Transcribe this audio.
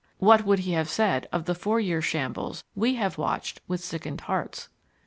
What would he have said of the four year shambles we have watched with sickened hearts?